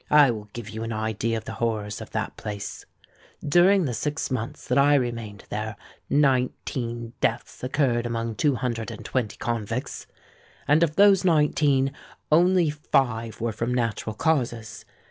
I will give you an idea of the horrors of that place:—during the six months that I remained there, nineteen deaths occurred amongst two hundred and twenty convicts; and of those nineteen, only five were from natural causes.